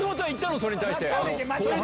それに対して。